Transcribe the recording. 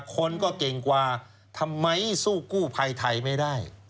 คนก็เก่งกว่าทำไมสู้กู้ภัยไทยไม่ได้